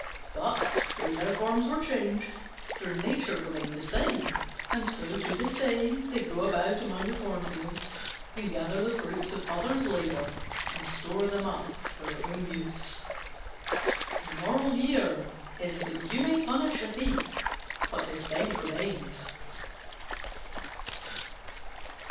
But, though their forms were changed, their nature remained the same: and so, to this day, they go about among the cornfields and gather the fruits of others' labour, and store them up for their own use. You may punish a thief, but his bent remains.